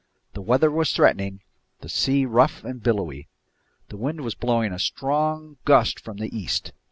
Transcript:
The weather was threatening, the sea rough and billowy. The wind was blowing a strong gust from the east.